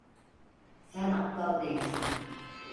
Sen aptal değilsin.